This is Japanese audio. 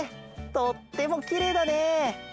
とってもきれいだね。